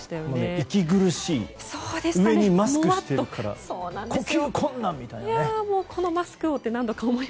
息苦しいうえにマスクをしているから呼吸困難！みたいなね。